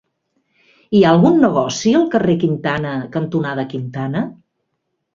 Hi ha algun negoci al carrer Quintana cantonada Quintana?